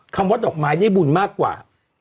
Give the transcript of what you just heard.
ว่าดอกไม้ได้บุญมากกว่า